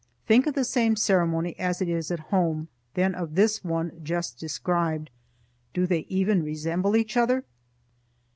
Think of the same ceremony as it is at home, then of this one just described. Do they even resemble each other?